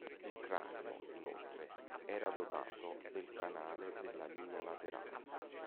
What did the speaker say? Il cranio, inoltre, era dotato del canale della linea laterale.